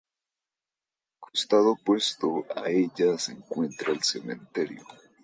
En el costado opuesto a ella se encuentra el cementerio.